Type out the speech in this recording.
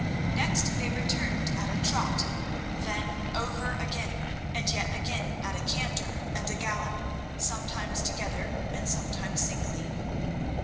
Next they returned at a trot, then over again, and yet again at a canter and a gallop, sometimes together and sometimes singly.